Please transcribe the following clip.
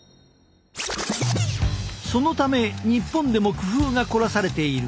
そのため日本でも工夫が凝らされている。